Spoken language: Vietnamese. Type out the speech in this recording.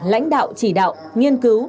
lãnh đạo chỉ đạo nghiên cứu